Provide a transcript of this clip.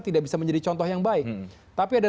tidak bisa menjadi contoh yang baik tapi ada